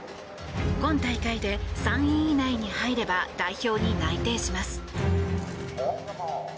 今大会で３位以内に入れば代表に内定します。